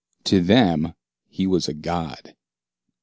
To them he was a god.